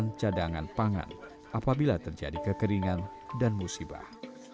mengurangi cadangan pangan apabila terjadi kekeringan dan musibah